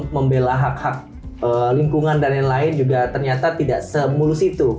membela hak hak lingkungan dan lain lain juga ternyata tidak semulus itu